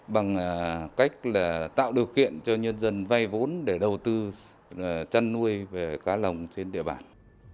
bằng cách là tạo điều kiện cho nhân dân vay vốn để đầu tư chăn nuôi về cá lồng trên địa bàn